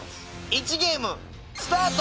イチゲームスタート！